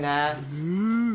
うん。